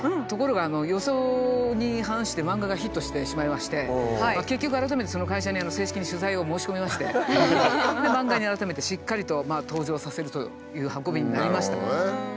ところが予想に反してマンガがヒットしてしまいまして結局改めてその会社に正式に取材を申し込みましてマンガに改めてしっかりと登場させるという運びになりました。